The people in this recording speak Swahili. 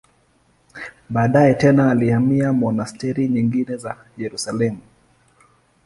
Baadaye tena alihamia monasteri nyingine za Yerusalemu.